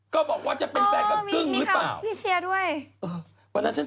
ก็ไม่รู้แหละเดี๋ยวกลับมาดูก่อน